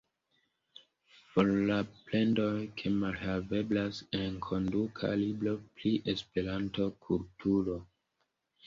For la plendoj, ke malhaveblas enkonduka libro pri Esperanto-kulturo!